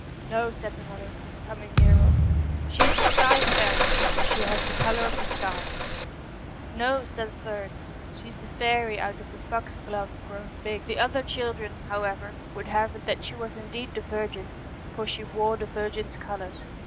' No,' said another, coming near also, ' she is a sky faery, for she has the colour of the sky.' 'No,' said a third, ' she is the faery out of the foxglove grown big.' The other children, however, would have it that she was indeed the Virgin, for she wore the Virgin's colours.